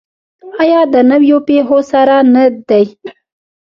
آیا د نویو پیښو سره نه دی؟